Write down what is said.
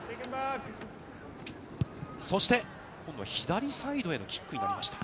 そして、今度は左サイドへのキックになりました。